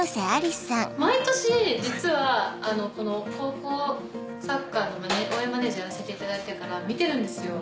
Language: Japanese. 毎年実はこの高校サッカーの応援マネージャーやらせていただいてから見てるんですよ。